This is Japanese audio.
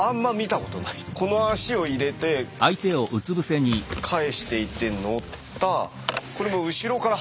この足を入れて返していって乗った。